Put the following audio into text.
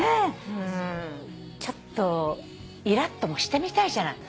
ちょっといらっともしてみたいじゃない。